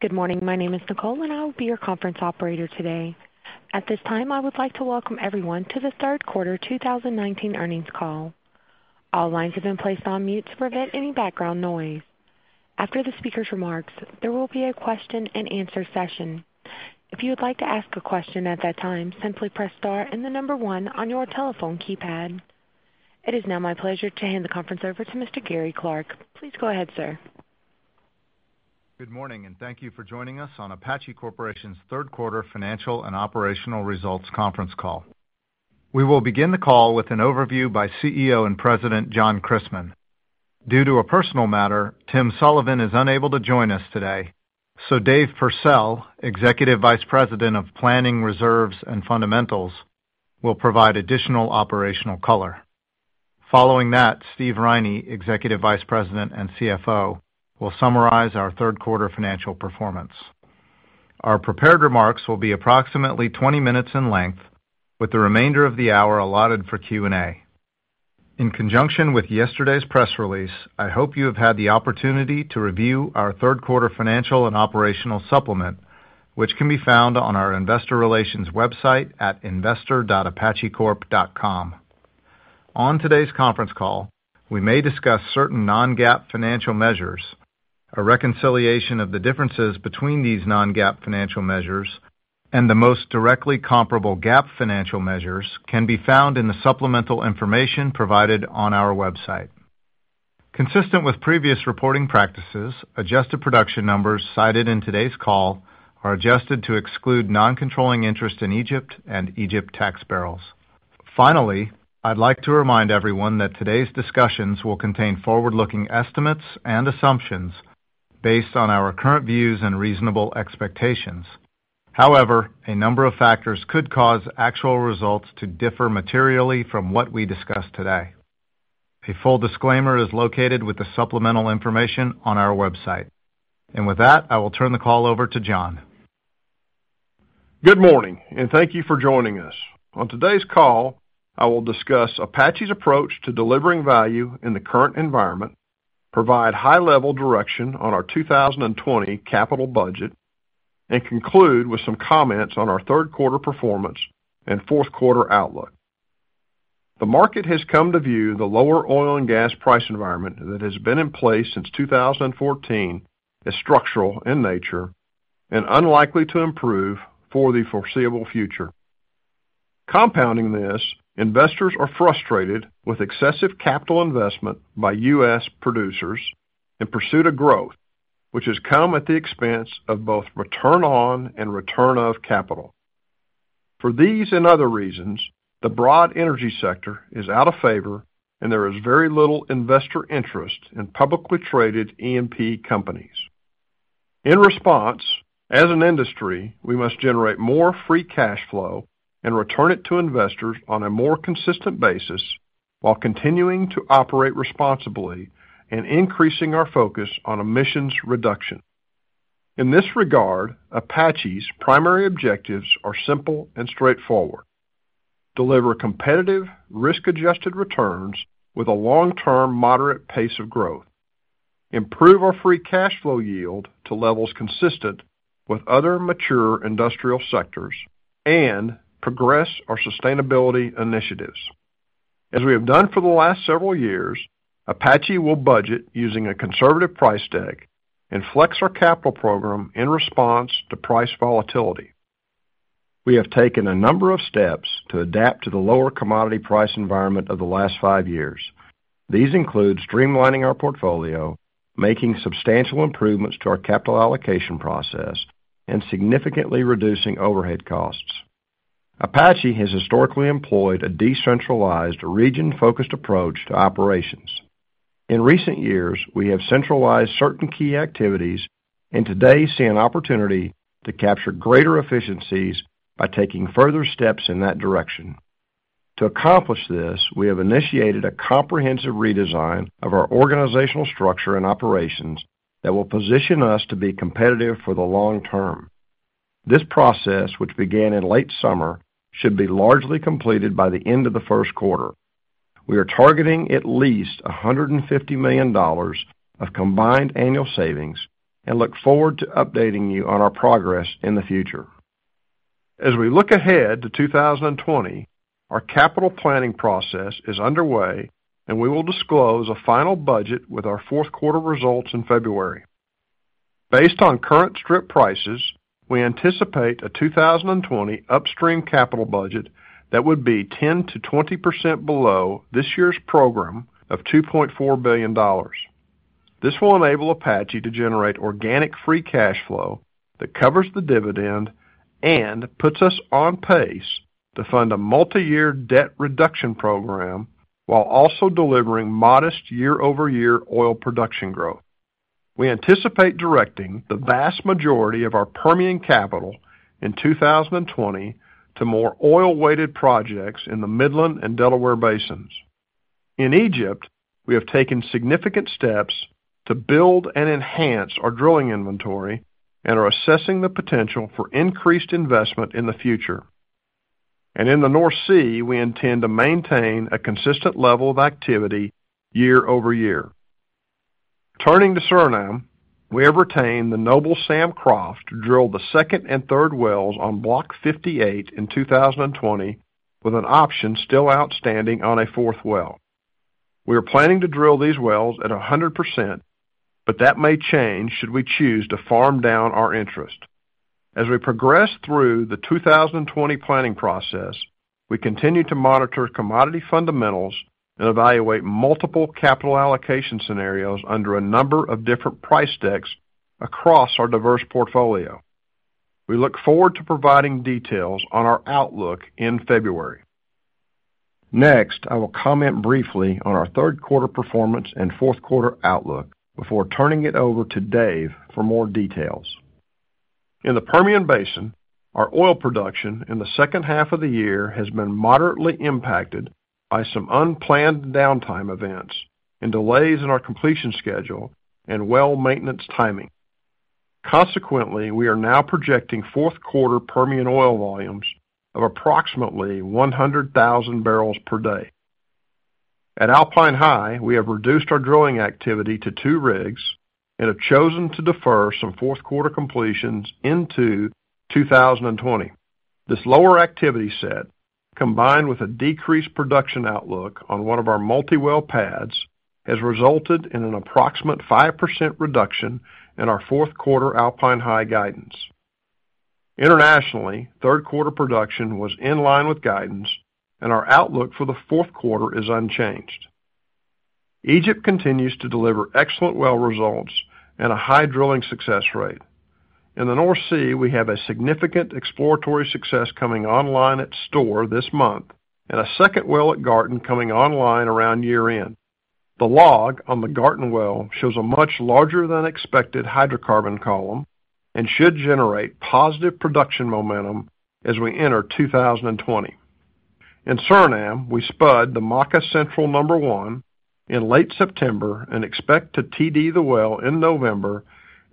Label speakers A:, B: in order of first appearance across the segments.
A: Good morning. My name is Nicole, and I will be your conference operator today. At this time, I would like to welcome everyone to the third quarter 2019 earnings call. All lines have been placed on mute to prevent any background noise. After the speaker's remarks, there will be a question-and-answer session. If you would like to ask a question at that time, simply press star and the number one on your telephone keypad. It is now my pleasure to hand the conference over to Mr. Gary Clark. Please go ahead, sir.
B: Good morning, and thank you for joining us on Apache Corporation's third quarter financial and operational results conference call. We will begin the call with an overview by CEO and President John Christmann. Due to a personal matter, Tim Sullivan is unable to join us today, so Dave Pursell, Executive Vice President of Planning, Reserves and Fundamentals, will provide additional operational color. Following that, Steve Riney, Executive Vice President and CFO, will summarize our third quarter financial performance. Our prepared remarks will be approximately 20 minutes in length, with the remainder of the hour allotted for Q&A. In conjunction with yesterday's press release, I hope you have had the opportunity to review our third quarter financial and operational supplement, which can be found on our investor relations website at investor.apachecorp.com. On today's conference call, we may discuss certain non-GAAP financial measures. A reconciliation of the differences between these non-GAAP financial measures and the most directly comparable GAAP financial measures can be found in the supplemental information provided on our website. Consistent with previous reporting practices, adjusted production numbers cited in today's call are adjusted to exclude non-controlling interest in Egypt and Egypt tax barrels. Finally, I'd like to remind everyone that today's discussions will contain forward-looking estimates and assumptions based on our current views and reasonable expectations. However, a number of factors could cause actual results to differ materially from what we discuss today. A full disclaimer is located with the supplemental information on our website. With that, I will turn the call over to John.
C: Good morning, and thank you for joining us. On today's call, I will discuss Apache's approach to delivering value in the current environment, provide high-level direction on our 2020 capital budget, and conclude with some comments on our third quarter performance and fourth quarter outlook. The market has come to view the lower oil and gas price environment that has been in place since 2014 as structural in nature and unlikely to improve for the foreseeable future. Compounding this, investors are frustrated with excessive capital investment by U.S. producers in pursuit of growth, which has come at the expense of both return on and return of capital. For these and other reasons, the broad energy sector is out of favor, and there is very little investor interest in publicly traded E&P companies. In response, as an industry, we must generate more free cash flow and return it to investors on a more consistent basis while continuing to operate responsibly and increasing our focus on emissions reduction. In this regard, Apache's primary objectives are simple and straightforward: deliver competitive risk-adjusted returns with a long-term moderate pace of growth, improve our free cash flow yield to levels consistent with other mature industrial sectors, and progress our sustainability initiatives. As we have done for the last several years, Apache will budget using a conservative price deck and flex our capital program in response to price volatility. We have taken a number of steps to adapt to the lower commodity price environment of the last five years. These include streamlining our portfolio, making substantial improvements to our capital allocation process, and significantly reducing overhead costs. Apache has historically employed a decentralized, region-focused approach to operations. In recent years, we have centralized certain key activities and today see an opportunity to capture greater efficiencies by taking further steps in that direction. To accomplish this, we have initiated a comprehensive redesign of our organizational structure and operations that will position us to be competitive for the long term. This process, which began in late summer, should be largely completed by the end of the first quarter. We are targeting at least $150 million of combined annual savings and look forward to updating you on our progress in the future. As we look ahead to 2020, our capital planning process is underway, and we will disclose a final budget with our fourth quarter results in February. Based on current strip prices, we anticipate a 2020 upstream capital budget that would be 10%-20% below this year's program of $2.4 billion. This will enable Apache to generate organic free cash flow that covers the dividend and puts us on pace to fund a multiyear debt reduction program while also delivering modest year-over-year oil production growth. We anticipate directing the vast majority of our Permian capital in 2020 to more oil-weighted projects in the Midland and Delaware Basins. In Egypt, we have taken significant steps to build and enhance our drilling inventory and are assessing the potential for increased investment in the future. In the North Sea, we intend to maintain a consistent level of activity year-over-year. Turning to Suriname, we have retained the Noble Sam Croft to drill the second and third wells on Block 58 in 2020, with an option still outstanding on a fourth well. We are planning to drill these wells at 100%, but that may change should we choose to farm down our interest. As we progress through the 2020 planning process, we continue to monitor commodity fundamentals and evaluate multiple capital allocation scenarios under a number of different price decks across our diverse portfolio. We look forward to providing details on our outlook in February. Next, I will comment briefly on our third quarter performance and fourth quarter outlook before turning it over to Dave for more details. In the Permian Basin, our oil production in the second half of the year has been moderately impacted by some unplanned downtime events and delays in our completion schedule and well maintenance timing. Consequently, we are now projecting fourth quarter Permian oil volumes of approximately 100,000 barrels per day. At Alpine High, we have reduced our drilling activity to two rigs and have chosen to defer some fourth-quarter completions into 2020. This lower activity set, combined with a decreased production outlook on one of our multi-well pads, has resulted in an approximate 5% reduction in our fourth-quarter Alpine High guidance. Internationally, third-quarter production was in line with guidance, and our outlook for the fourth quarter is unchanged. Egypt continues to deliver excellent well results and a high drilling success rate. In the North Sea, we have a significant exploratory success coming online at Storr this month and a second well at Garten coming online around year-end. The log on the Garten well shows a much larger than expected hydrocarbon column and should generate positive production momentum as we enter 2020. In Suriname, we spud the Maka Central-1 in late September and expect to TD the well in November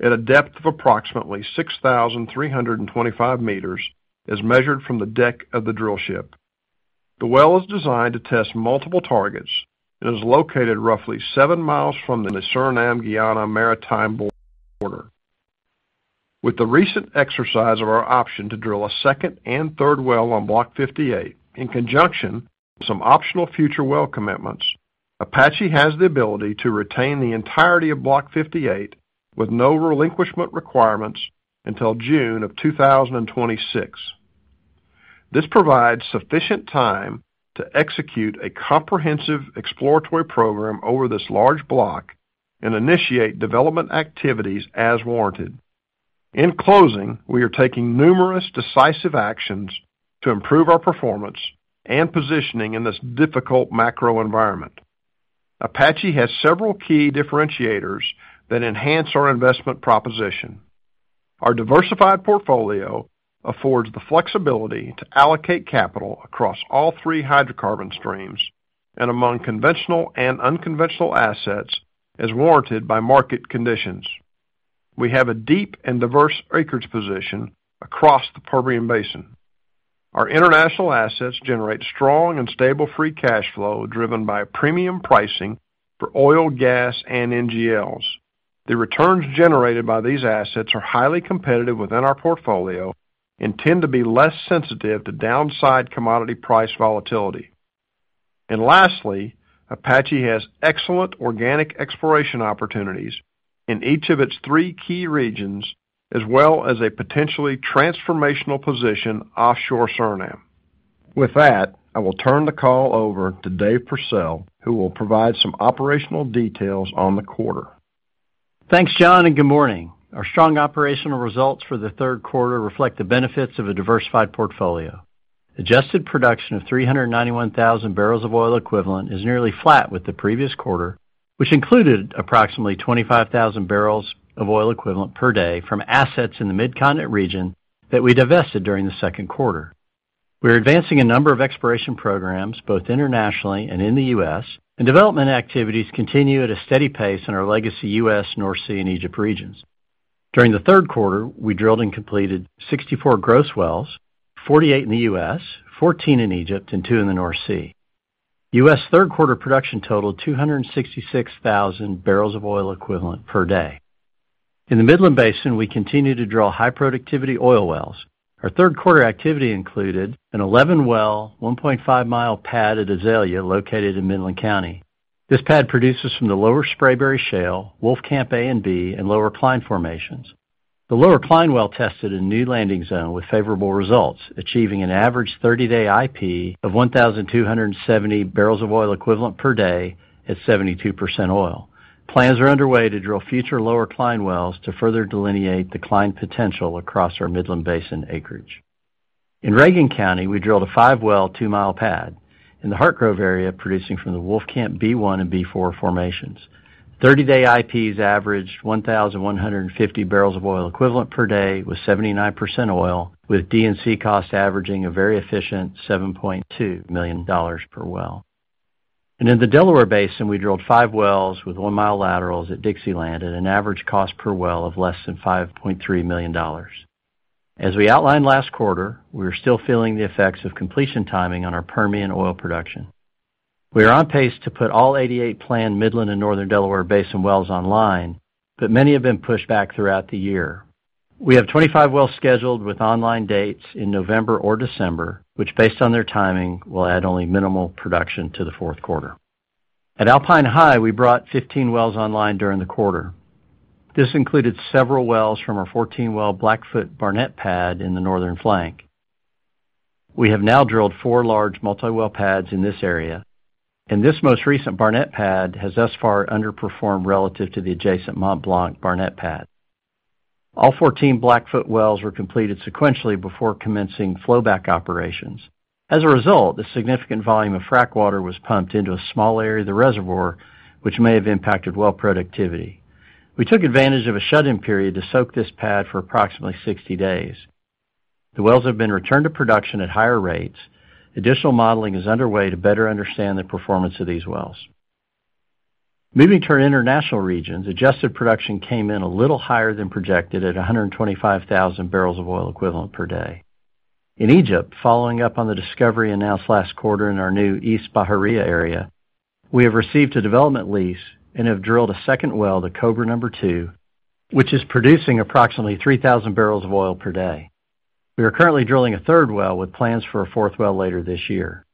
C: at a depth of approximately 6,325 meters as measured from the deck of the drillship. The well is designed to test multiple targets and is located roughly seven miles from the Suriname-Guyana maritime border. With the recent exercise of our option to drill a second and third well on Block 58, in conjunction with some optional future well commitments, Apache has the ability to retain the entirety of Block 58 with no relinquishment requirements until June of 2026. This provides sufficient time to execute a comprehensive exploratory program over this large Block and initiate development activities as warranted. In closing, we are taking numerous decisive actions to improve our performance and positioning in this difficult macro environment. Apache has several key differentiators that enhance our investment proposition. Our diversified portfolio affords the flexibility to allocate capital across all three hydrocarbon streams and among conventional and unconventional assets as warranted by market conditions. We have a deep and diverse acreage position across the Permian Basin. Our international assets generate strong and stable free cash flow driven by premium pricing for oil, gas, and NGLs. The returns generated by these assets are highly competitive within our portfolio and tend to be less sensitive to downside commodity price volatility. Lastly, Apache has excellent organic exploration opportunities in each of its three key regions, as well as a potentially transformational position offshore Suriname. With that, I will turn the call over to Dave Pursell, who will provide some operational details on the quarter.
D: Thanks, John. Good morning. Our strong operational results for the third quarter reflect the benefits of a diversified portfolio. Adjusted production of 391,000 barrels of oil equivalent is nearly flat with the previous quarter, which included approximately 25,000 barrels of oil equivalent per day from assets in the Mid-Continent region that we divested during the second quarter. We're advancing a number of exploration programs, both internationally and in the U.S., and development activities continue at a steady pace in our legacy U.S., North Sea, and Egypt regions. During the third quarter, we drilled and completed 64 gross wells, 48 in the U.S., 14 in Egypt, and two in the North Sea. U.S. third-quarter production totaled 266,000 barrels of oil equivalent per day. In the Midland Basin, we continue to drill high-productivity oil wells. Our third-quarter activity included an 11-well, 1.5-mile pad at Azalea, located in Midland County. This pad produces from the Lower Spraberry Shale, Wolfcamp A and B, and Lower Cline formations. The Lower Cline well tested a new landing zone with favorable results, achieving an average 30-day IP of 1,270 barrels of oil equivalent per day at 72% oil. Plans are underway to drill future Lower Cline wells to further delineate the Cline potential across our Midland Basin acreage. In Reagan County, we drilled a five-well, two-mile pad in the Hartgrove area, producing from the Wolfcamp B1 and B4 formations. 30-day IPs averaged 1,150 barrels of oil equivalent per day with 79% oil, with D&C costs averaging a very efficient $7.2 million per well. In the Delaware Basin, we drilled five wells with one-mile laterals at Dixieland at an average cost per well of less than $5.3 million. As we outlined last quarter, we are still feeling the effects of completion timing on our Permian oil production. We are on pace to put all 88 planned Midland and Northern Delaware Basin wells online, but many have been pushed back throughout the year. We have 25 wells scheduled with online dates in November or December, which, based on their timing, will add only minimal production to the fourth quarter. At Alpine High, we brought 15 wells online during the quarter. This included several wells from our 14-well Blackfoot Barnett pad in the northern flank. We have now drilled four large multi-well pads in this area, and this most recent Barnett pad has thus far underperformed relative to the adjacent Mont Blanc Barnett pad. All 14 Blackfoot wells were completed sequentially before commencing flowback operations. As a result, a significant volume of frac water was pumped into a small area of the reservoir, which may have impacted well productivity. We took advantage of a shut-in period to soak this pad for approximately 60 days. The wells have been returned to production at higher rates. Additional modeling is underway to better understand the performance of these wells. Moving to our international regions, adjusted production came in a little higher than projected at 125,000 barrels of oil equivalent per day. In Egypt, following up on the discovery announced last quarter in our new East Bahariya area, we have received a development lease and have drilled a second well, the Cobra number 2, which is producing approximately 3,000 barrels of oil per day. We are currently drilling a third well with plans for a fourth well later this year.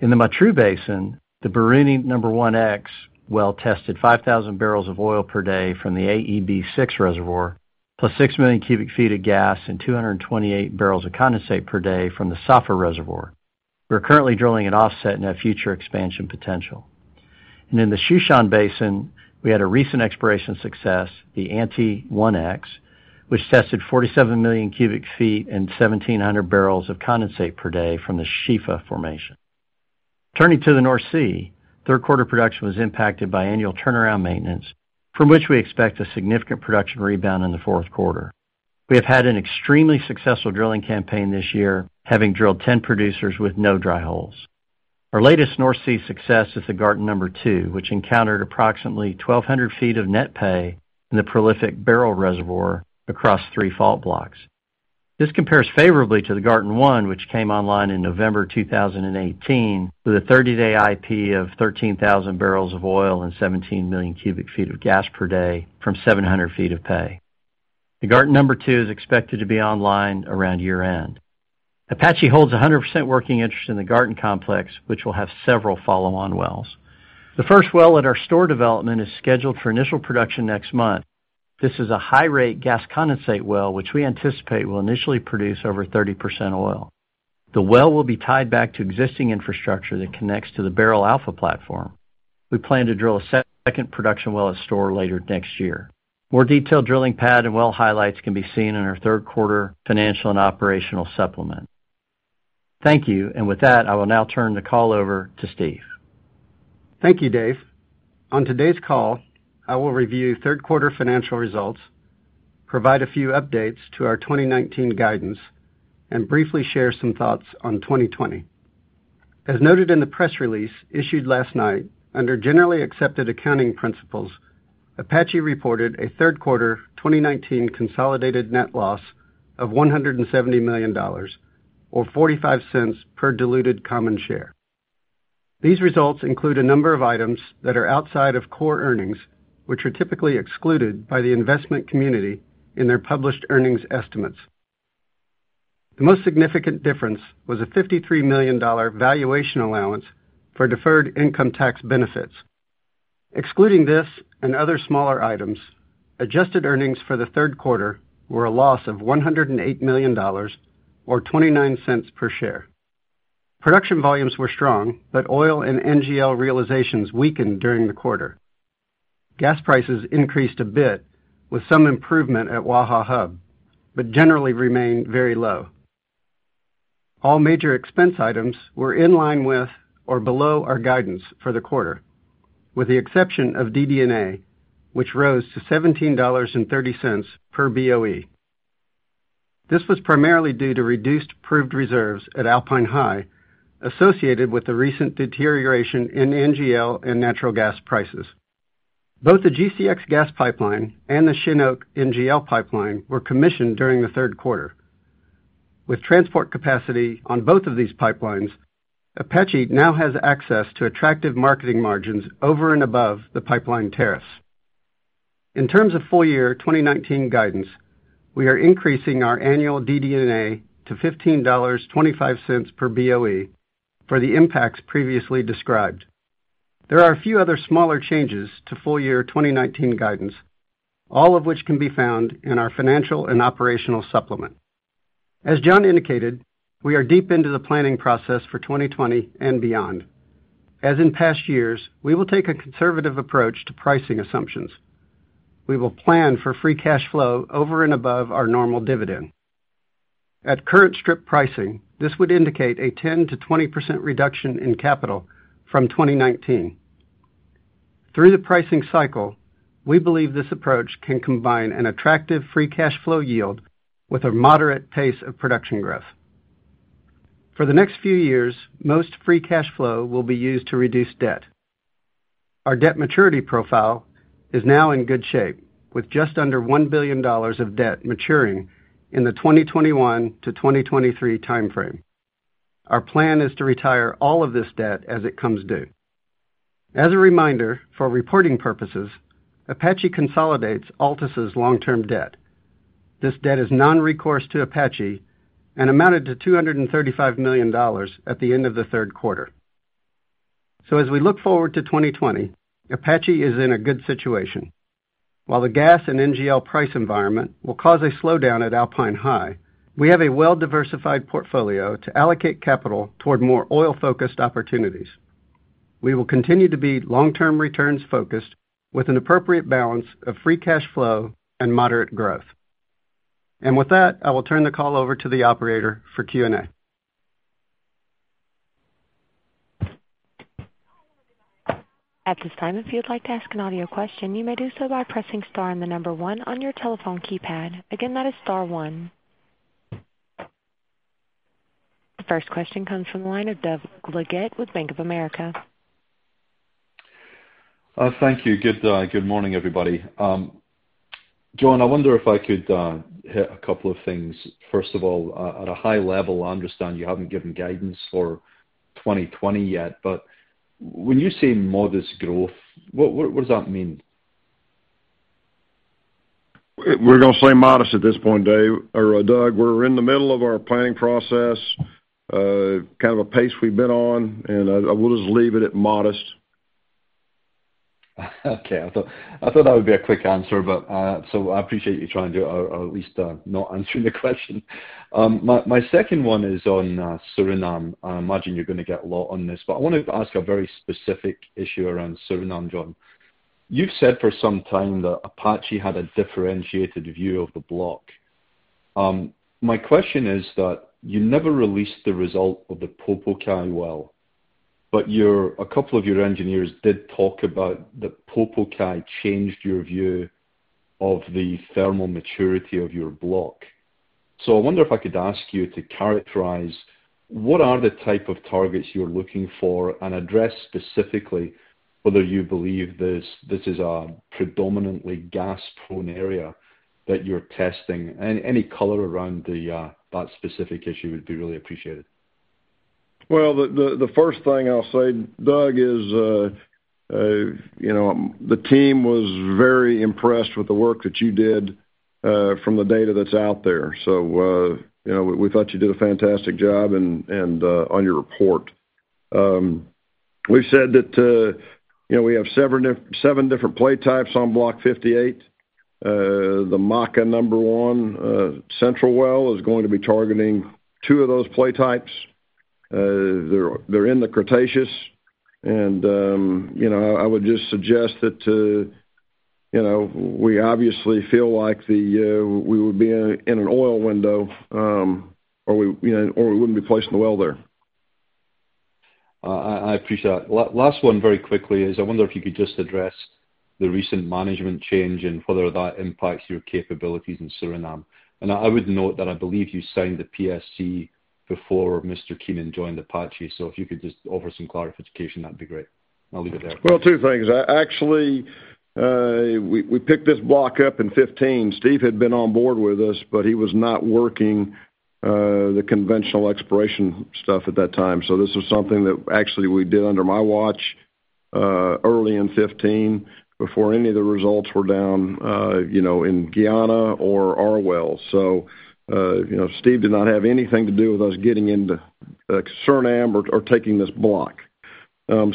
D: In the Matruh Basin, the Biruni-1X well tested 5,000 barrels of oil per day from the AEB-6, plus 6 million cubic feet of gas and 228 barrels of condensate per day from the Saphur reservoir. We are currently drilling an offset and have future expansion potential. In the Shushan Basin, we had a recent exploration success, the Ante-1X, which tested 47 million cubic feet and 1,700 barrels of condensate per day from the Shifa Formation. Turning to the North Sea, third quarter production was impacted by annual turnaround maintenance, from which we expect a significant production rebound in the fourth quarter. We have had an extremely successful drilling campaign this year, having drilled 10 producers with no dry holes. Our latest North Sea success is the Garten No. 2, which encountered approximately 1,200 feet of net pay in the prolific Beryl reservoir across three fault blocks. This compares favorably to the Garten #1, which came online in November 2018 with a 30-day IP of 13,000 barrels of oil and 17 million cubic feet of gas per day from 700 feet of pay. The Garten No. 2 is expected to be online around year-end. Apache holds 100% working interest in the Garten complex, which will have several follow-on wells. The first well at our Storr development is scheduled for initial production next month. This is a high-rate gas condensate well, which we anticipate will initially produce over 30% oil. The well will be tied back to existing infrastructure that connects to the Beryl Alpha platform. We plan to drill a second production well at Storr later next year. More detailed drilling pad and well highlights can be seen in our third quarter financial and operational supplement. Thank you. With that, I will now turn the call over to Steve.
E: Thank you, Dave. On today's call, I will review third-quarter financial results, provide a few updates to our 2019 guidance, and briefly share some thoughts on 2020. As noted in the press release issued last night, under Generally Accepted Accounting Principles, Apache reported a third quarter 2019 consolidated net loss of $170 million, or $0.45 per diluted common share. These results include a number of items that are outside of core earnings, which are typically excluded by the investment community in their published earnings estimates. The most significant difference was a $53 million valuation allowance for deferred income tax benefits. Excluding this and other smaller items, adjusted earnings for the third quarter were a loss of $108 million, or $0.29 per share. Production volumes were strong, but oil and NGL realizations weakened during the quarter. Gas prices increased a bit with some improvement at Waha Hub, generally remained very low. All major expense items were in line with or below our guidance for the quarter, with the exception of DD&A, which rose to $17.30 per BOE. This was primarily due to reduced proved reserves at Alpine High associated with the recent deterioration in NGL and natural gas prices. Both the GCX gas pipeline and the Chinook NGL pipeline were commissioned during the third quarter. With transport capacity on both of these pipelines, Apache now has access to attractive marketing margins over and above the pipeline tariffs. In terms of full-year 2019 guidance, we are increasing our annual DD&A to $15.25 per BOE for the impacts previously described. There are a few other smaller changes to full-year 2019 guidance, all of which can be found in our financial and operational supplement. As John indicated, we are deep into the planning process for 2020 and beyond. As in past years, we will take a conservative approach to pricing assumptions. We will plan for free cash flow over and above our normal dividend. At current strip pricing, this would indicate a 10%-20% reduction in capital from 2019. Through the pricing cycle, we believe this approach can combine an attractive free cash flow yield with a moderate pace of production growth. For the next few years, most free cash flow will be used to reduce debt. Our debt maturity profile is now in good shape, with just under $1 billion of debt maturing in the 2021-2023 timeframe. Our plan is to retire all of this debt as it comes due. As a reminder, for reporting purposes, Apache consolidates Altus' long-term debt. This debt is non-recourse to Apache and amounted to $235 million at the end of the third quarter. As we look forward to 2020, Apache is in a good situation. While the gas and NGL price environment will cause a slowdown at Alpine High, we have a well-diversified portfolio to allocate capital toward more oil-focused opportunities. We will continue to be long-term returns focused with an appropriate balance of free cash flow and moderate growth. With that, I will turn the call over to the operator for Q&A.
A: At this time, if you'd like to ask an audio question, you may do so by pressing star and the number 1 on your telephone keypad. Again, that is star 1. The first question comes from the line of Doug Leggate with Bank of America.
F: Thank you. Good morning, everybody. John, I wonder if I could hit a couple of things. First of all, at a high level, I understand you haven't given guidance for 2020 yet. When you say modest growth, what does that mean?
C: We're going to say modest at this point, Doug. We're in the middle of our planning process, kind of a pace we've been on. We'll just leave it at modest.
F: Okay. I thought that would be a quick answer, but so I appreciate you trying to, or at least not answering the question. My second one is on Suriname. I imagine you're going to get a lot on this, but I want to ask a very specific issue around Suriname, John. You've said for some time that Apache had a differentiated view of the block. My question is that you never released the result of the Popokai-1 well, but a couple of your engineers did talk about that Popokai-1 changed your view of the thermal maturity of your block. I wonder if I could ask you to characterize what are the type of targets you're looking for, and address specifically whether you believe this is a predominantly gas-prone area that you're testing. Any color around that specific issue would be really appreciated.
C: The first thing I'll say, Doug, is the team was very impressed with the work that you did from the data that's out there. We thought you did a fantastic job on your report. We've said that we have seven different play types on Block 58. The Maka number one central well is going to be targeting two of those play types. They're in the Cretaceous. I would just suggest that we obviously feel like we would be in an oil window, or we wouldn't be placing the well there.
F: I appreciate that. Last one very quickly is, I wonder if you could just address the recent management change and whether that impacts your capabilities in Suriname. I would note that I believe you signed the PSC before Mr. Keenan joined Apache, so if you could just offer some clarification, that'd be great. I'll leave it there.
C: Well, two things. Actually, we picked this block up in 2015. Steve had been on board with us, but he was not working the conventional exploration stuff at that time. This was something that actually we did under my watch early in 2015, before any of the results were down in Guyana or our wells. Steve did not have anything to do with us getting into Suriname or taking this block.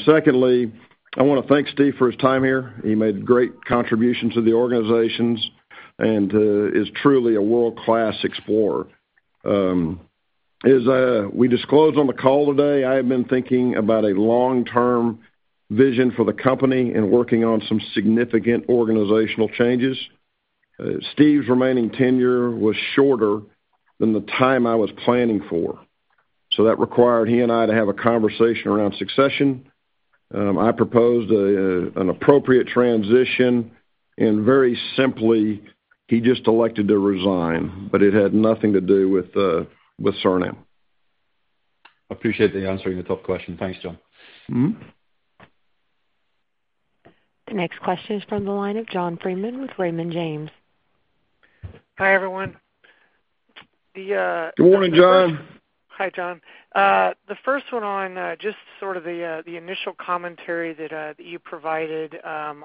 C: Secondly, I want to thank Steve for his time here. He made great contributions to the organizations and is truly a world-class explorer. As we disclosed on the call today, I have been thinking about a long-term vision for the company and working on some significant organizational changes. Steve's remaining tenure was shorter than the time I was planning for. That required he and I to have a conversation around succession. I proposed an appropriate transition, and very simply, he just elected to resign, but it had nothing to do with Suriname.
F: Appreciate the answer to the tough question. Thanks, John.
A: The next question is from the line of John Freeman with Raymond James.
G: Hi, everyone.
C: Good morning, John.
G: Hi, John. The first one on just sort of the initial commentary that you provided on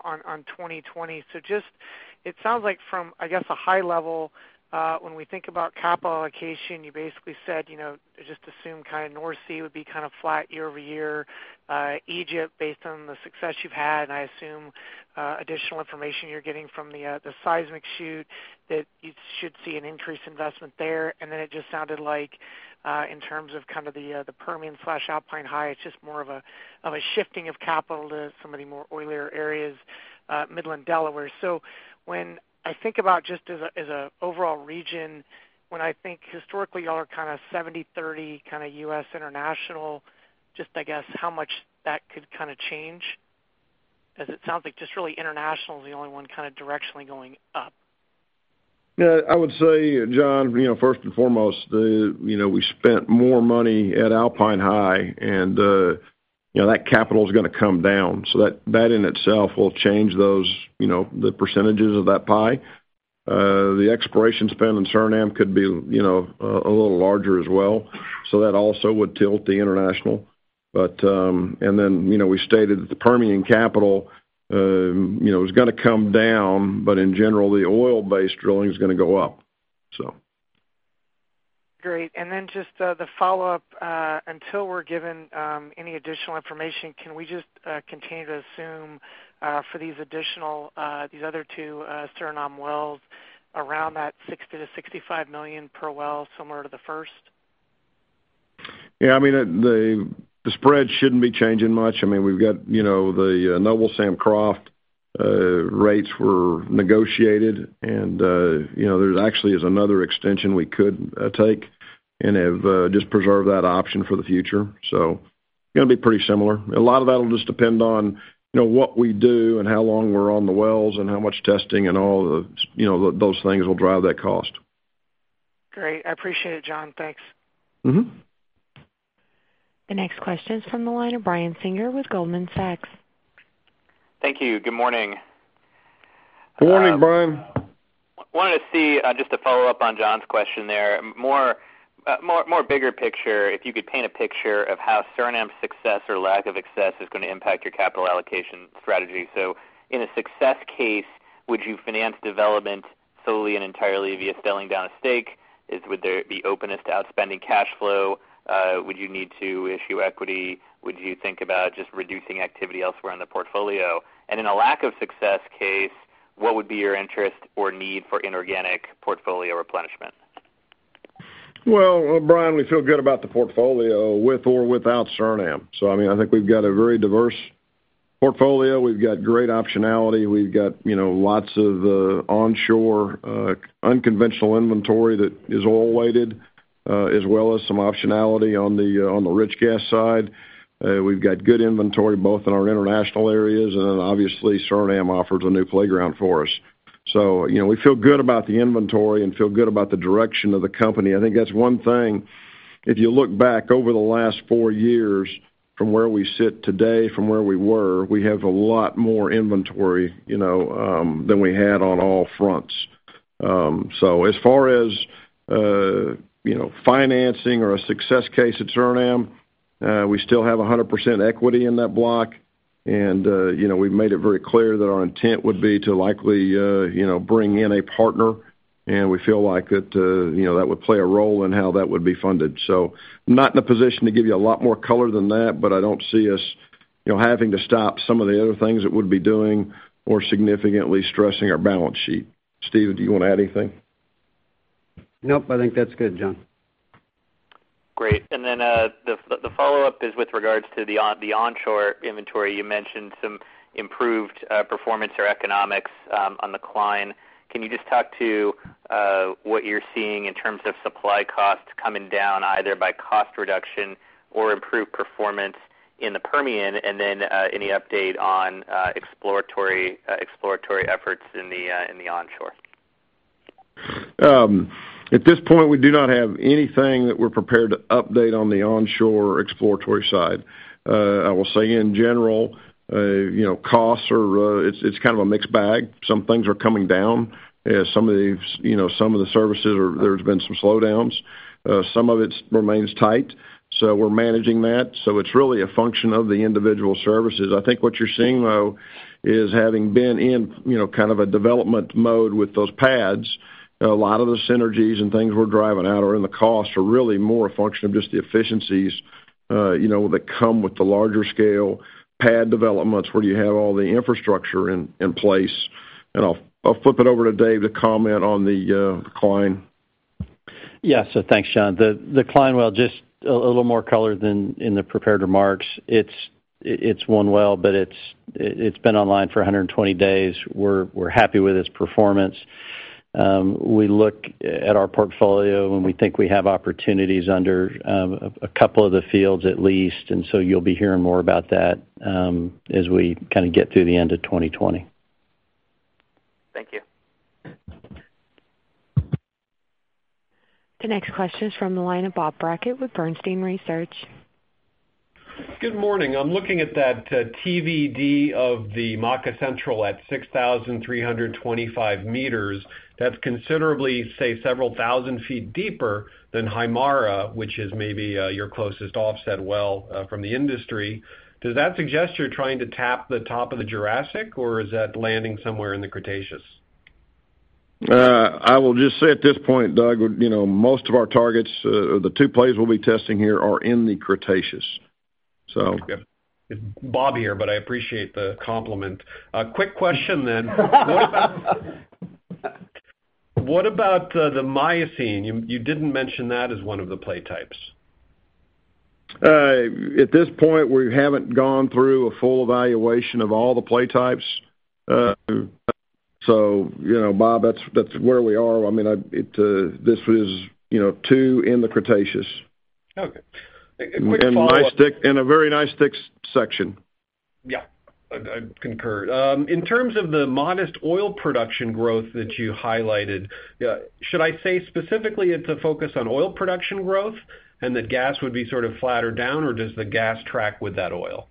G: 2020. Just it sounds like from, I guess, a high level, when we think about capital allocation, you basically said, just assume North Sea would be flat year-over-year. Egypt, based on the success you've had, and I assume additional information you're getting from the seismic shoot, that you should see an increased investment there. It just sounded like in terms of the Permian/Alpine High, it's just more of a shifting of capital to some of the more oilier areas Midland-Delaware. When I think about just as an overall region, when I think historically you all are 70/30 kind of U.S. international, just, I guess how much that could change, as it sounds like just really international is the only one kind of directionally going up.
C: Yeah. I would say, John, first and foremost, we spent more money at Alpine High, and that capital's going to come down. That in itself will change the percentages of that pie. The exploration spend in Suriname could be a little larger as well. That also would tilt the international. We stated that the Permian capital is going to come down, but in general, the oil-based drilling is going to go up.
G: Great. Just the follow-up, until we're given any additional information, can we just continue to assume for these other two Suriname wells around that $60 million to $65 million per well, similar to the first?
C: Yeah. The spread shouldn't be changing much. The Noble Sam Croft rates were negotiated. There actually is another extension we could take and have just preserved that option for the future. Going to be pretty similar. A lot of that'll just depend on what we do and how long we're on the wells and how much testing and all of those things will drive that cost.
G: Great. I appreciate it, John. Thanks.
A: The next question is from the line of Brian Singer with Goldman Sachs.
H: Thank you. Good morning.
C: Good morning, Brian.
H: Wanted to see, just to follow up on John's question there, more bigger picture, if you could paint a picture of how Suriname's success or lack of success is going to impact your capital allocation strategy. In a success case, would you finance development solely and entirely via selling down a stake? Would there be openness to outspending cash flow? Would you need to issue equity? Would you think about just reducing activity elsewhere in the portfolio? In a lack of success case, what would be your interest or need for inorganic portfolio replenishment?
C: Well, Brian, we feel good about the portfolio with or without Suriname. I think we've got a very diverse portfolio. We've got great optionality. We've got lots of onshore unconventional inventory that is oil weighted, as well as some optionality on the rich gas side. We've got good inventory both in our international areas and then obviously Suriname offers a new playground for us. We feel good about the inventory and feel good about the direction of the company. I think that's one thing, if you look back over the last four years from where we sit today, from where we were, we have a lot more inventory than we had on all fronts. As far as financing or a success case at Suriname, we still have 100% equity in that block, and we've made it very clear that our intent would be to likely bring in a partner, and we feel like that would play a role in how that would be funded. Not in a position to give you a lot more color than that, but I don't see us having to stop some of the other things that we'd be doing or significantly stressing our balance sheet. Steve, do you want to add anything?
E: Nope. I think that's good, John.
H: Great. The follow-up is with regards to the onshore inventory. You mentioned some improved performance or economics on the Cline. Can you just talk to what you're seeing in terms of supply costs coming down, either by cost reduction or improved performance in the Permian, any update on exploratory efforts in the onshore?
C: At this point, we do not have anything that we're prepared to update on the onshore exploratory side. I will say in general, It's kind of a mixed bag. Some things are coming down. Some of the services there's been some slowdowns. Some of it remains tight. So we're managing that. So it's really a function of the individual services. I think what you're seeing, though, is having been in a development mode with those pads, a lot of the synergies and things we're driving out are in the cost are really more a function of just the efficiencies that come with the larger scale pad developments where you have all the infrastructure in place. And I'll flip it over to Dave to comment on the Cline.
D: Yeah. Thanks, John. The Cline well, just a little more color than in the prepared remarks. It's one well, but it's been online for 120 days. We're happy with its performance. We look at our portfolio, and we think we have opportunities under a couple of the fields at least, and so you'll be hearing more about that as we get through the end of 2020.
H: Thank you.
A: The next question is from the line of Bob Brackett with Bernstein Research.
I: Good morning. I'm looking at that TVD of the Maka Central-1 at 6,325 meters. That's considerably, say, several thousand feet deeper than Haimara, which is maybe your closest offset well from the industry. Does that suggest you're trying to tap the top of the Jurassic, or is that landing somewhere in the Cretaceous?
C: I will just say at this point, Doug, most of our targets, the two plays we'll be testing here are in the Cretaceous.
I: Okay. It's Bob here, but I appreciate the compliment. A quick question. What about the Miocene? You didn't mention that as one of the play types.
C: At this point, we haven't gone through a full evaluation of all the play types. Bob, that's where we are. This is two in the Cretaceous.
I: Okay. A quick follow-up.
C: A very nice thick section.
I: Yeah. I concur. In terms of the modest oil production growth that you highlighted, should I say specifically it's a focus on oil production growth and that gas would be sort of flat or down? Or does the gas track with that oil?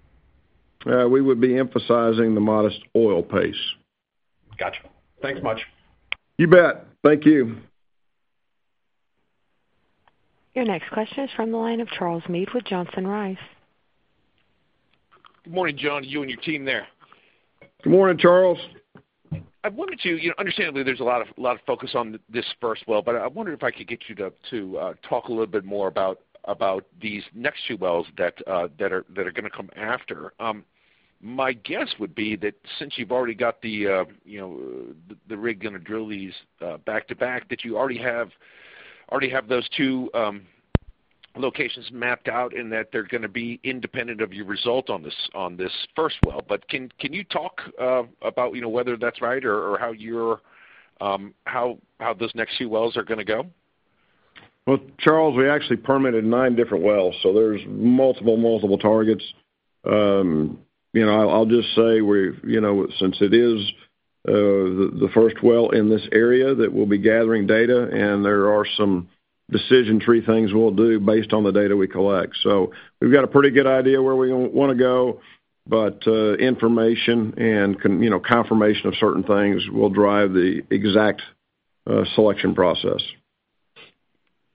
C: We would be emphasizing the modest oil pace.
I: Got you. Thanks much.
C: You bet. Thank you.
A: Your next question is from the line of Charles Meade with Johnson Rice.
J: Good morning, John, to you and your team there.
C: Good morning, Charles.
J: Understandably, there's a lot of focus on this first well. I wondered if I could get you to talk a little bit more about these next two wells that are going to come after. My guess would be that since you've already got the rig going to drill these back-to-back, that you already have those two locations mapped out, and that they're going to be independent of your result on this first well. Can you talk about whether that's right or how those next few wells are going to go?
C: Well, Charles, we actually permitted nine different wells. There's multiple targets. I'll just say since it is the first well in this area that we'll be gathering data, and there are some decision tree things we'll do based on the data we collect. We've got a pretty good idea where we want to go, but information and confirmation of certain things will drive the exact selection process.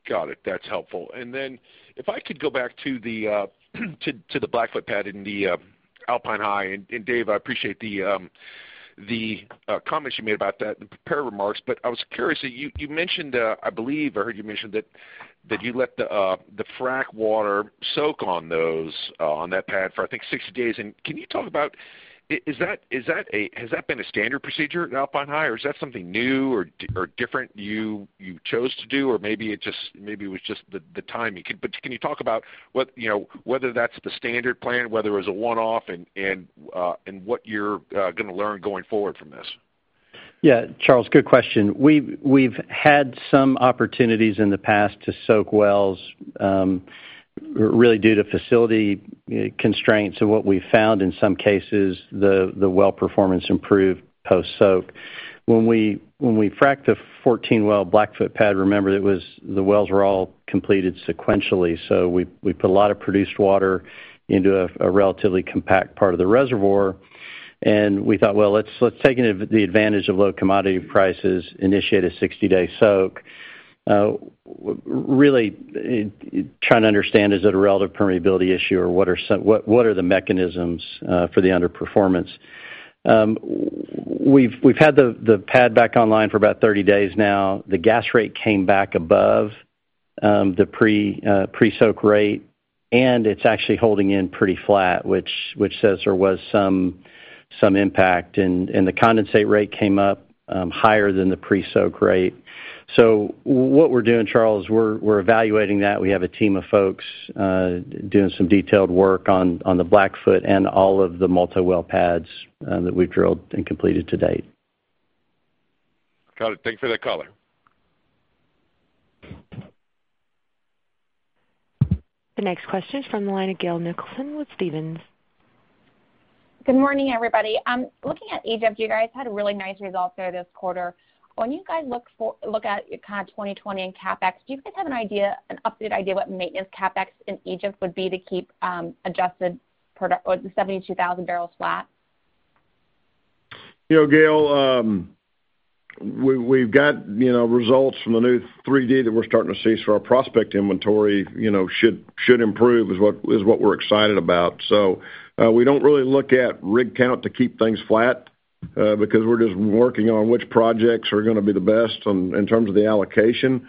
J: Got it. That's helpful. If I could go back to the Blackfoot pad in the Alpine High, and Dave, I appreciate the comments you made about that, the prepared remarks, but I was curious that you mentioned, I believe I heard you mention that you let the frack water soak on that pad for I think 60 days. Has that been a standard procedure at Alpine High, or is that something new or different you chose to do? Maybe it was just the timing. Can you talk about whether that's the standard plan, whether it was a one-off, and what you're going to learn going forward from this?
D: Charles, good question. We've had some opportunities in the past to soak wells really due to facility constraints, and what we've found in some cases, the well performance improved post-soak. When we fracked the 14-well Blackfoot pad, remember, the wells were all completed sequentially. We put a lot of produced water into a relatively compact part of the reservoir, and we thought, "Well, let's take the advantage of low commodity prices, initiate a 60-day soak," really trying to understand is it a relative permeability issue or what are the mechanisms for the underperformance. We've had the pad back online for about 30 days now. The gas rate came back above the pre-soak rate, and it's actually holding in pretty flat, which says there was some impact, and the condensate rate came up higher than the pre-soak rate. What we're doing, Charles, we're evaluating that. We have a team of folks doing some detailed work on the Blackfoot and all of the multi-well pads that we've drilled and completed to date.
J: Got it. Thank you for the color.
A: The next question is from the line of Gail Nicholson with Stephens.
K: Good morning, everybody. Looking at Egypt, you guys had really nice results there this quarter. When you guys look at kind of 2020 and CapEx, do you guys have an updated idea what maintenance CapEx in Egypt would be to keep adjusted product or the 72,000 barrels flat?
C: Gail, we've got results from the new 3D that we're starting to see. Our prospect inventory should improve is what we're excited about. We don't really look at rig count to keep things flat because we're just working on which projects are going to be the best in terms of the allocation.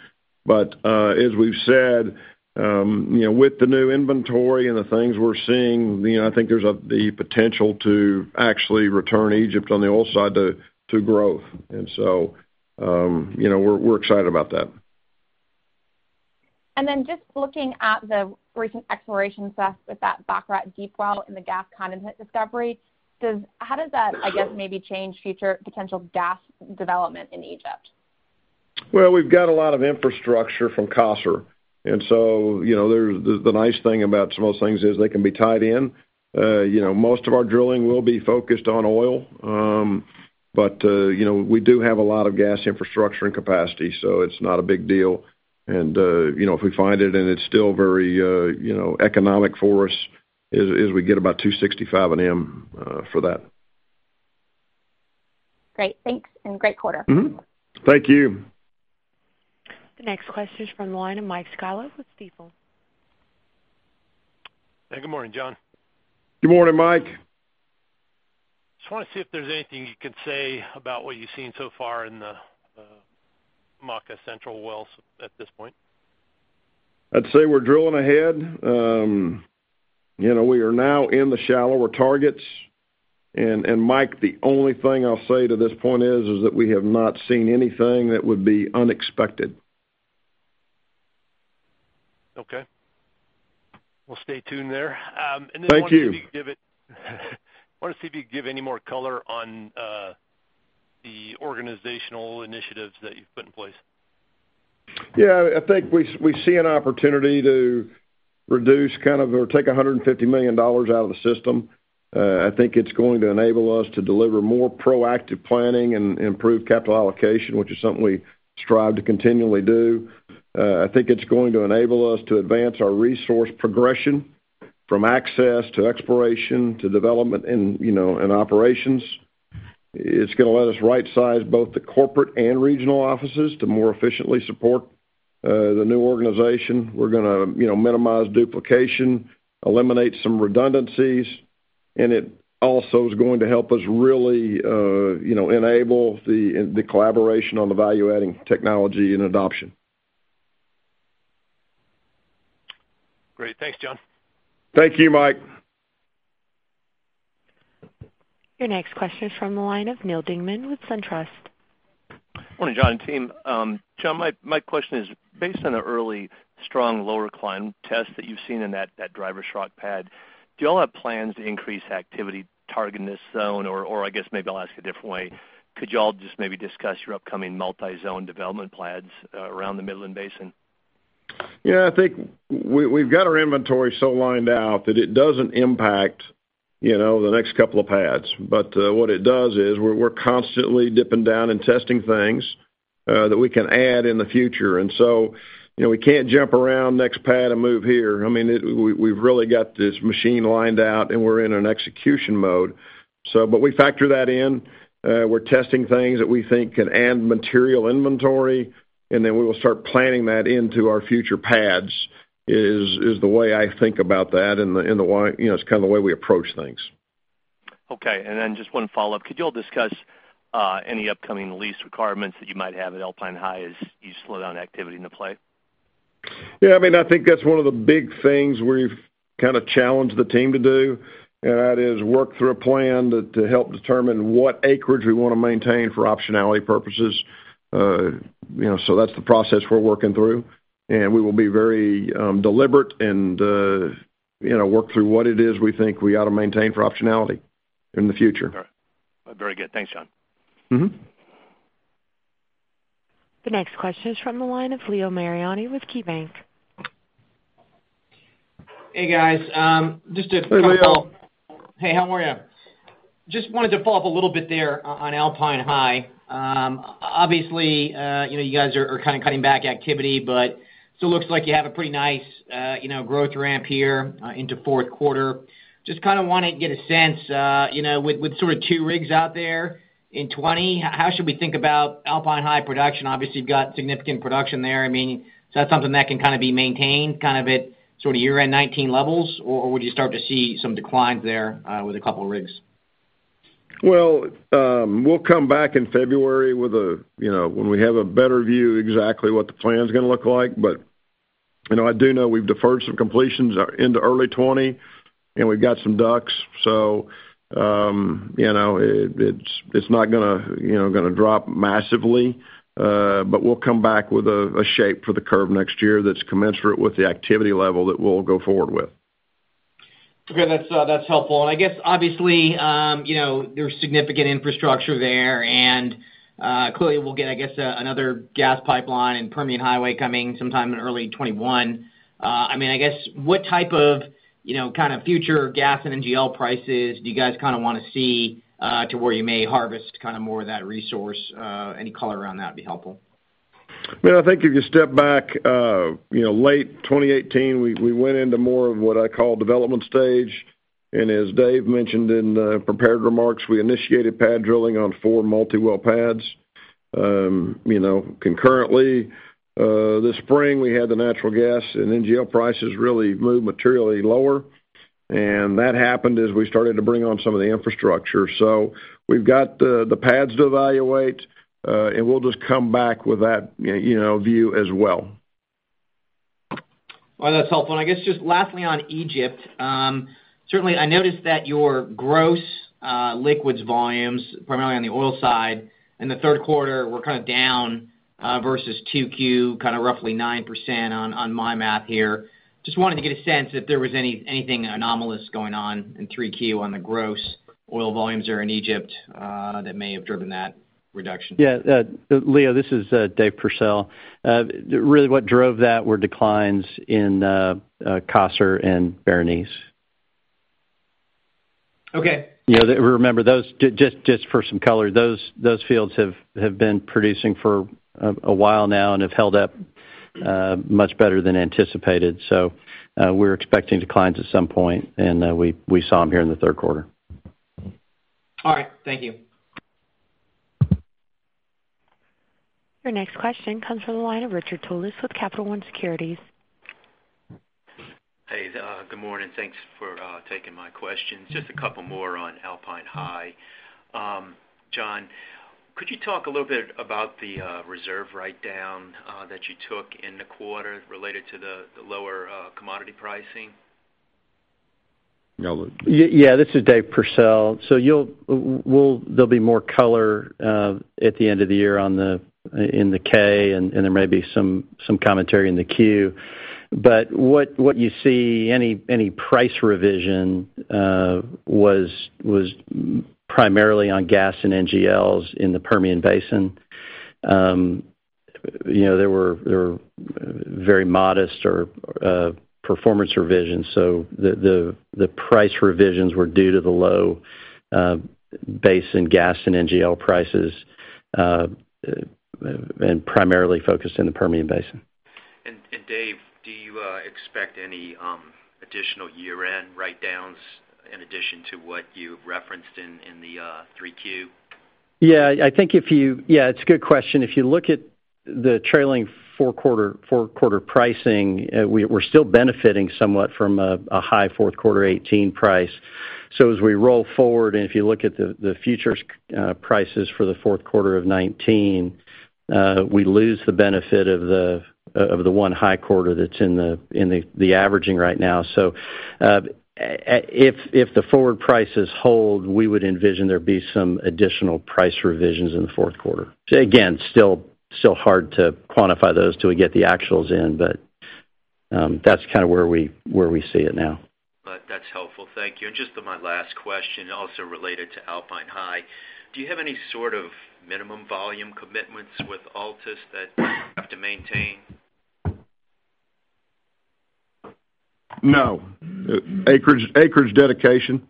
C: As we've said, with the new inventory and the things we're seeing, I think there's the potential to actually return Egypt on the oil side to growth. We're excited about that.
K: Just looking at the recent exploration success with that Matruh deep well and the gas condensate discovery, how does that, I guess, maybe change future potential gas development in Egypt?
C: Well, we've got a lot of infrastructure from Khalda, and so the nice thing about some of those things is they can be tied in. Most of our drilling will be focused on oil. We do have a lot of gas infrastructure and capacity, so it's not a big deal. If we find it and it's still very economic for us, we get about $265 an M for that.
K: Great. Thanks, and great quarter.
C: Thank you.
A: The next question is from the line of Michael Scialla with Stifel.
L: Hey, good morning, John.
C: Good morning, Mike.
L: Just want to see if there's anything you can say about what you've seen so far in the Maka Central wells at this point.
C: I'd say we're drilling ahead. We are now in the shallower targets. Mike, the only thing I'll say to this point is that we have not seen anything that would be unexpected.
L: Okay. We'll stay tuned there.
C: Thank you.
L: I want to see if you could give any more color on the organizational initiatives that you've put in place?
C: Yeah, I think we see an opportunity to reduce or take $150 million out of the system. I think it's going to enable us to deliver more proactive planning and improve capital allocation, which is something we strive to continually do. I think it's going to enable us to advance our resource progression from access to exploration to development and operations. It's going to let us right-size both the corporate and regional offices to more efficiently support the new organization. We're going to minimize duplication, eliminate some redundancies, and it also is going to help us really enable the collaboration on the value-adding technology and adoption.
L: Great. Thanks, John.
C: Thank you, Mike.
A: Your next question is from the line of Neal Dingmann with SunTrust.
M: Morning, John and team. John, my question is based on the early strong Lower Cline test that you've seen in that Driver-Schrock pad, do y'all have plans to increase activity targeting this zone? I guess maybe I'll ask a different way, could y'all just maybe discuss your upcoming multi-zone development plans around the Midland Basin?
C: Yeah, I think we've got our inventory so lined out that it doesn't impact the next couple of pads. What it does is, we're constantly dipping down and testing things that we can add in the future. We can't jump around next pad and move here. We've really got this machine lined out, and we're in an execution mode. We factor that in. We're testing things that we think can add material inventory, and then we will start planning that into our future pads, is the way I think about that, and it's kind of the way we approach things.
M: Okay, just one follow-up. Could y'all discuss any upcoming lease requirements that you might have at Alpine High as you slow down activity in the play?
C: I think that's one of the big things we've challenged the team to do, and that is work through a plan to help determine what acreage we want to maintain for optionality purposes. That's the process we're working through, and we will be very deliberate and work through what it is we think we ought to maintain for optionality in the future.
M: All right. Very good. Thanks, John.
A: The next question is from the line of Leo Mariani with KeyBanc.
N: Hey, guys.
C: Hey, Leo.
N: Hey, how are you? Just wanted to follow up a little bit there on Alpine High. Obviously, you guys are kind of cutting back activity, but still looks like you have a pretty nice growth ramp here into fourth quarter. Just kind of wanted to get a sense, with sort of two rigs out there in 2020, how should we think about Alpine High production? Obviously, you've got significant production there. Is that something that can be maintained at sort of year-end 2019 levels, or would you start to see some declines there with a couple of rigs?
C: Well, we'll come back in February when we have a better view exactly what the plan's going to look like. I do know we've deferred some completions into early 2020, and we've got some ducks, so it's not going to drop massively. We'll come back with a shape for the curve next year that's commensurate with the activity level that we'll go forward with.
N: Okay. That's helpful. I guess obviously, there's significant infrastructure there, and clearly we'll get, I guess, another gas pipeline and Permian Highway coming sometime in early 2021. I guess, what type of future gas and NGL prices do you guys want to see to where you may harvest more of that resource? Any color around that would be helpful.
C: I think if you step back, late 2018, we went into more of what I call development stage. As Dave mentioned in the prepared remarks, we initiated pad drilling on four multi-well pads. Concurrently, this spring, we had the natural gas and NGL prices really move materially lower. That happened as we started to bring on some of the infrastructure. We've got the pads to evaluate, and we'll just come back with that view as well.
N: Well, that's helpful. I guess just lastly on Egypt, certainly I noticed that your gross liquids volumes, primarily on the oil side in the third quarter, were kind of down versus 2Q, kind of roughly 9% on my math here. Just wanted to get a sense if there was anything anomalous going on in 3Q on the gross oil volumes there in Egypt that may have driven that reduction.
D: Yeah. Leo, this is Dave Pursell. Really what drove that were declines in Khalda and Berenice.
N: Okay.
D: Remember, just for some color, those fields have been producing for a while now and have held up much better than anticipated. We were expecting declines at some point, and we saw them here in the third quarter.
N: All right. Thank you.
A: Your next question comes from the line of Richard Tullis with Capital One Securities.
O: Hey, good morning. Thanks for taking my questions. Just a couple more on Alpine High. John, could you talk a little bit about the reserve write-down that you took in the quarter related to the lower commodity pricing?
D: Yeah. This is Dave Pursell. There'll be more color at the end of the year in the K, and there may be some commentary in the Q. What you see, any price revision was primarily on gas and NGLs in the Permian Basin. There were very modest or performance revisions, so the price revisions were due to the low basin gas and NGL prices, and primarily focused in the Permian Basin.
O: Dave, do you expect any additional year-end write-downs in addition to what you referenced in the 3Q?
D: Yeah, it's a good question. If you look at the trailing four quarter pricing, we're still benefiting somewhat from a high fourth quarter 2018 price. As we roll forward, and if you look at the futures prices for the fourth quarter of 2019, we lose the benefit of the one high quarter that's in the averaging right now. If the forward prices hold, we would envision there'd be some additional price revisions in the fourth quarter. Again, still hard to quantify those till we get the actuals in. That's kind of where we see it now.
O: That's helpful. Thank you. Just my last question, also related to Alpine High, do you have any sort of minimum volume commitments with Altus that you have to maintain?
C: No. Acreage dedication.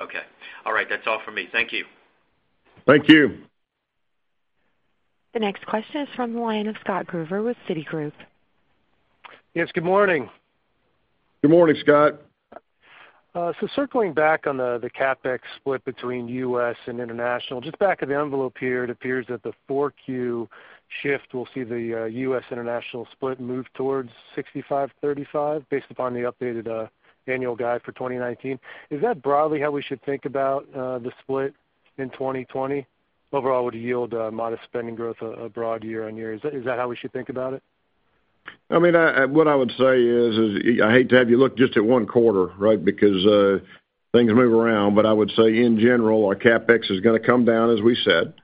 O: Okay. All right. That's all for me. Thank you.
C: Thank you.
A: The next question is from the line of Scott Gruber with Citigroup.
P: Yes, good morning.
C: Good morning, Scott.
P: Circling back on the CapEx split between U.S. and international, just back of the envelope here, it appears that the 4Q shift will see the U.S.-international split move towards 65%-35% based upon the updated annual guide for 2019. Is that broadly how we should think about the split in 2020? Overall, would it yield modest spending growth abroad year-over-year? Is that how we should think about it?
C: What I would say is, I hate to have you look just at one quarter, right? Things move around. I would say, in general, our CapEx is going to come down, as we said.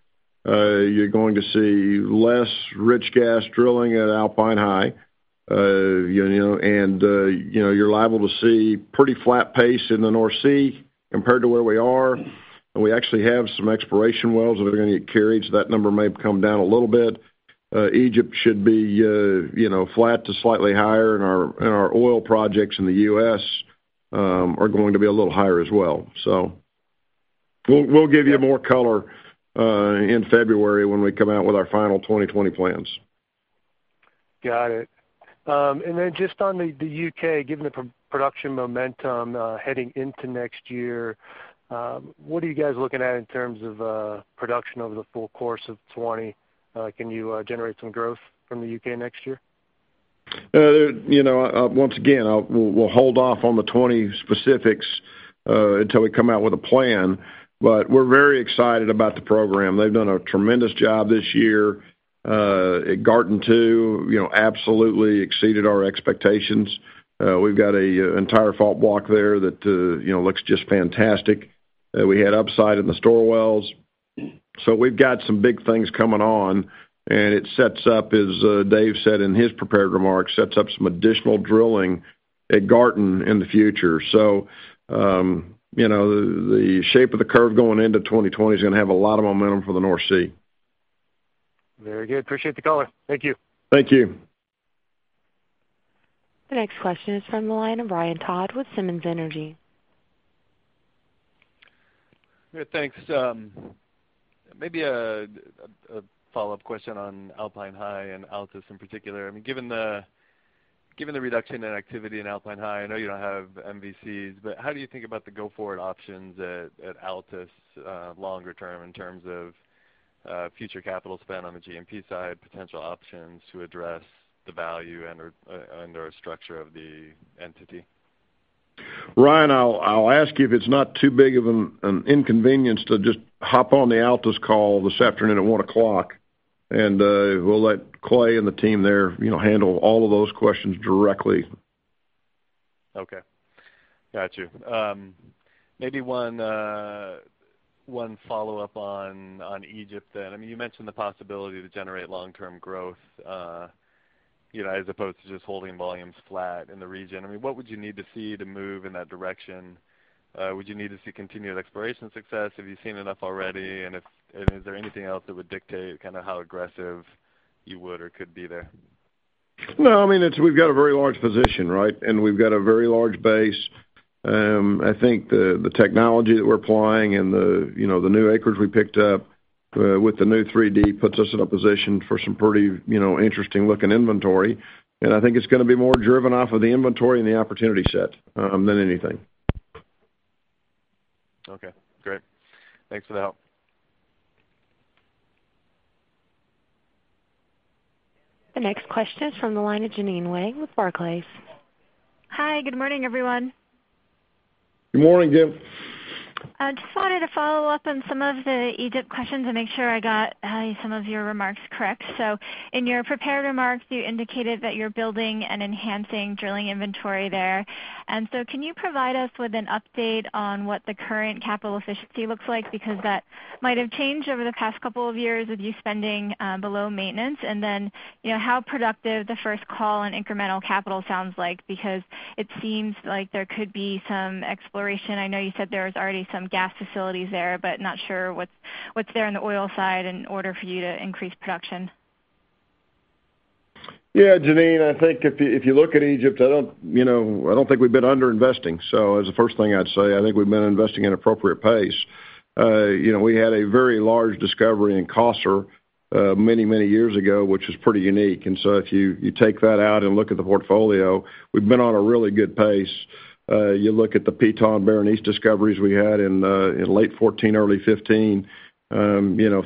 C: You're going to see less rich gas drilling at Alpine High. You're liable to see pretty flat pace in the North Sea compared to where we are. We actually have some exploration wells that are going to get carried, so that number may come down a little bit. Egypt should be flat to slightly higher, and our oil projects in the U.S. are going to be a little higher as well. We'll give you more color in February when we come out with our final 2020 plans.
P: Got it. Just on the U.K., given the production momentum heading into next year, what are you guys looking at in terms of production over the full course of 2020? Can you generate some growth from the U.K. next year?
C: Once again, we'll hold off on the '20 specifics until we come out with a plan. We're very excited about the program. They've done a tremendous job this year. At Garten 2, absolutely exceeded our expectations. We've got an entire fault block there that looks just fantastic. We had upside in the Storr wells. We've got some big things coming on, and it sets up, as Dave said in his prepared remarks, sets up some additional drilling at Garten in the future. The shape of the curve going into 2020 is going to have a lot of momentum for the North Sea.
P: Very good. Appreciate the color. Thank you.
C: Thank you.
A: The next question is from the line of Ryan Todd with Simmons Energy.
Q: Yeah, thanks. Maybe a follow-up question on Alpine High and Altus in particular. Given the reduction in activity in Alpine High, I know you don't have MVCs, but how do you think about the go-forward options at Altus longer term in terms of future capital spend on the G&P side, potential options to address the value and/or structure of the entity?
C: Ryan, I'll ask you if it's not too big of an inconvenience to just hop on the Altus call this afternoon at 1:00, and we'll let Clay and the team there handle all of those questions directly.
Q: Okay. Got you. Maybe one follow-up on Egypt then. You mentioned the possibility to generate long-term growth as opposed to just holding volumes flat in the region. What would you need to see to move in that direction? Would you need to see continued exploration success? Have you seen enough already? Is there anything else that would dictate how aggressive you would or could be there?
C: We've got a very large position, right? We've got a very large base. I think the technology that we're applying and the new acreage we picked up with the new 3D puts us in a position for some pretty interesting-looking inventory. I think it's going to be more driven off of the inventory and the opportunity set than anything.
Q: Okay, great. Thanks for the help.
A: The next question is from the line of Jeanine Wai with Barclays.
R: Hi, good morning, everyone.
C: Good morning, Jeanine.
R: Just wanted to follow up on some of the Egypt questions and make sure I got some of your remarks correct. In your prepared remarks, you indicated that you're building and enhancing drilling inventory there. Can you provide us with an update on what the current capital efficiency looks like? Because that might have changed over the past couple of years with you spending below maintenance. How productive the first call on incremental capital sounds like, because it seems like there could be some exploration. I know you said there was already some gas facilities there, but not sure what's there on the oil side in order for you to increase production.
C: Yeah, Jeanine, I think if you look at Egypt, I don't think we've been under-investing. As the first thing I'd say, I think we've been investing at an appropriate pace. We had a very large discovery in Khalda many, many years ago, which is pretty unique. If you take that out and look at the portfolio, we've been on a really good pace. You look at the Ptah and Berenice discoveries we had in late 2014, early 2015.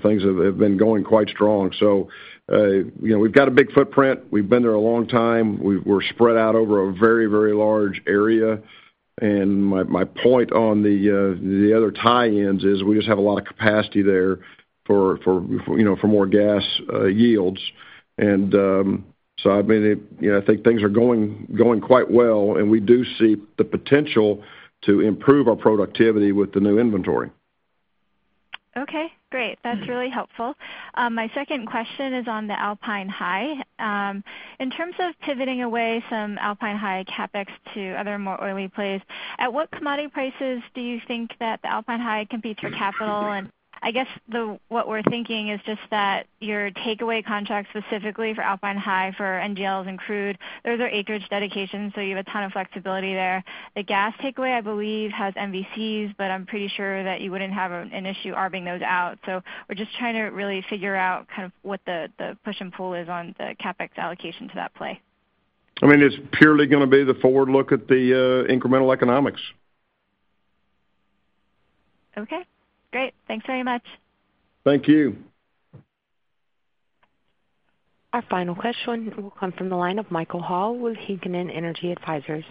C: Things have been going quite strong. We've got a big footprint. We've been there a long time. We're spread out over a very, very large area. My point on the other tie-ins is we just have a lot of capacity there for more gas yields. I think things are going quite well, and we do see the potential to improve our productivity with the new inventory.
R: Okay, great. That's really helpful. My second question is on the Alpine High. In terms of pivoting away some Alpine High CapEx to other more oily plays, at what commodity prices do you think that the Alpine High competes for capital? I guess what we're thinking is just that your takeaway contracts specifically for Alpine High for NGLs and crude, those are acreage dedications, so you have a ton of flexibility there. The gas takeaway, I believe, has MVCs, but I'm pretty sure that you wouldn't have an issue arbing those out. We're just trying to really figure out what the push and pull is on the CapEx allocation to that play.
C: It's purely going to be the forward look at the incremental economics.
R: Okay, great. Thanks very much.
C: Thank you.
A: Our final question will come from the line of Michael Hall with Heikkinen Energy Advisors.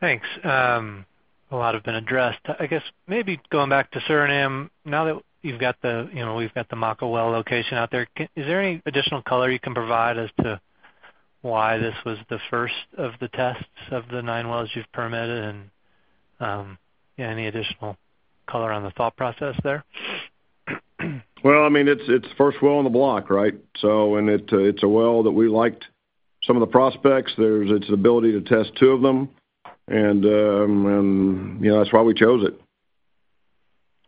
S: Thanks. A lot have been addressed. I guess maybe going back to Suriname, now that we've got the Maka well location out there, is there any additional color you can provide as to why this was the first of the tests of the nine wells you've permitted? And any additional color on the thought process there?
C: Well, it's the first well on the block, right? It's a well that we liked some of the prospects. There's its ability to test two of them, that's why we chose it.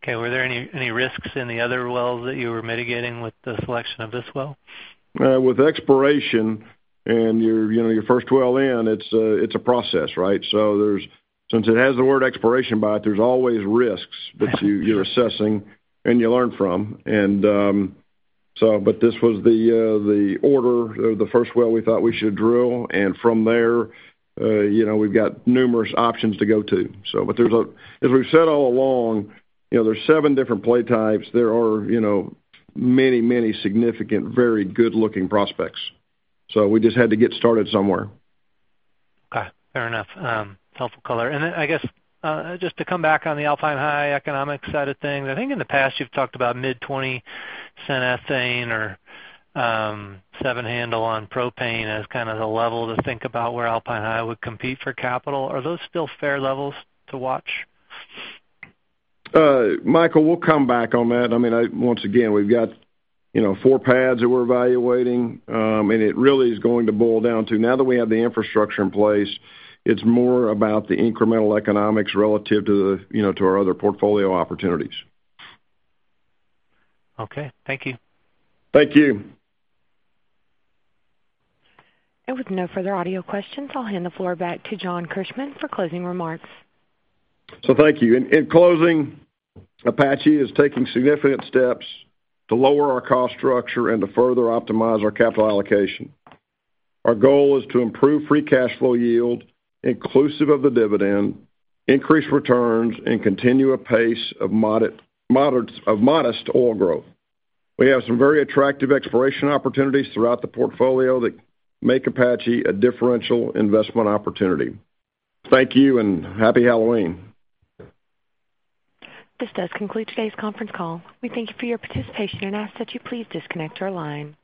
S: Okay. Were there any risks in the other wells that you were mitigating with the selection of this well?
C: With exploration and your first well in, it's a process, right? Since it has the word exploration by it, there's always risks that you're assessing, and you learn from. This was the order of the first well we thought we should drill, and from there we've got numerous options to go to. As we've said all along, there's seven different play types. There are many, many significant, very good-looking prospects. We just had to get started somewhere.
S: Okay, fair enough. Helpful color. Then I guess just to come back on the Alpine High economic side of things, I think in the past you've talked about mid-$0.20 ethane or $7 handle on propane as the level to think about where Alpine High would compete for capital. Are those still fair levels to watch?
C: Michael, we'll come back on that. Once again, we've got four pads that we're evaluating. It really is going to boil down to now that we have the infrastructure in place, it's more about the incremental economics relative to our other portfolio opportunities.
S: Okay. Thank you.
C: Thank you.
A: With no further audio questions, I'll hand the floor back to John Christmann for closing remarks.
C: Thank you. In closing, Apache is taking significant steps to lower our cost structure and to further optimize our capital allocation. Our goal is to improve free cash flow yield inclusive of the dividend, increase returns, and continue a pace of modest oil growth. We have some very attractive exploration opportunities throughout the portfolio that make Apache a differential investment opportunity. Thank you, and happy Halloween.
A: This does conclude today's conference call. We thank you for your participation and ask that you please disconnect your line.